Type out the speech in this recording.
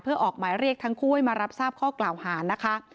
เพื่อออกหมายเรียกทั้งคู่ให้มารับทราบข้อกล่าวหานะคะ